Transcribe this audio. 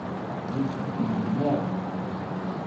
Aql-ik yid-i, naɣ?